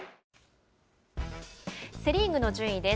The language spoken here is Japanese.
セ・リーグの順位です。